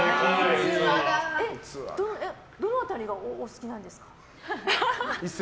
どの辺りがお好きなんですか？